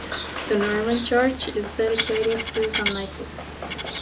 The Norman church is dedicated to Saint Michael.